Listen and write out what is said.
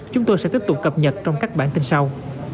chúng tôi sẽ tiếp tục cập nhật trong các bản tin sau